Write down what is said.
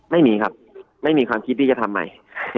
ไม่มีครับไม่มีความคิดที่จะทำใหม่